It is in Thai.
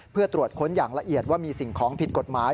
เพื่อตรวจค้นอย่างละเอียดว่ามีสิ่งของผิดกฎหมาย